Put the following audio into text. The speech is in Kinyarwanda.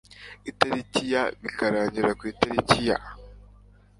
itariki ya bikarangira ku itariki ya